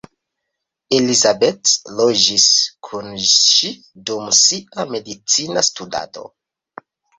Elizabeth loĝis kun ŝi dum sia medicina studado.